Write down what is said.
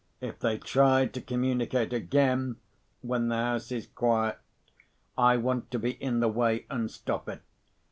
If they try to communicate again, when the house is quiet, I want to be in the way, and stop it.